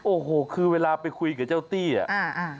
โอ้โหคือเวลาไปคุยกับเจ้าตี้อะอ่า